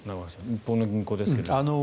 日本の銀行ですけども。